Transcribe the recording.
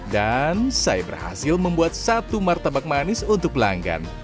dan saya berhasil membuat satu martabak manis untuk pelanggan